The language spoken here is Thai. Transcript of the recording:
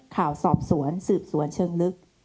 ข่าวสอบสวนสืบสวนเชิงลึก